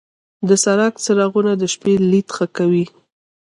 د سړک څراغونه د شپې لید ښه کوي.